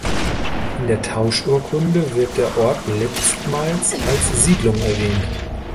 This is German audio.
In der Tauschurkunde wird der Ort letztmals als Siedlung erwähnt.